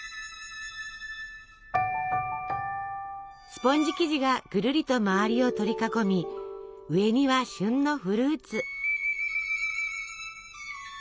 スポンジ生地がぐるりと周りを取り囲み上には旬のフルーツ。